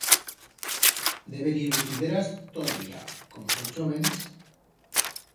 Deben ir buquideras tot el día, como son chóvens.